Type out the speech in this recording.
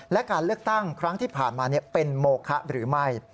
และการเลือกตั้งครั้งที่ผ่านมาเป็นโมคะหรือไม่